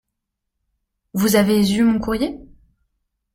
Vous avez eu mon courrier ?